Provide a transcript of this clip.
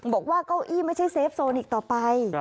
บอกว่าเก้าอี้ไม่ใช่เซฟโซนอีกต่อไป